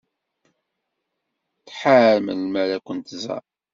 Tḥar melmi ara kent-tẓer.